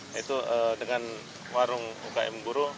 yaitu dengan warung ukm buruh